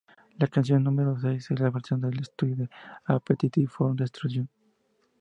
La canción número seis es la versión de estudio de "Appetite for Destruction".